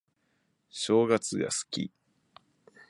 正月が好き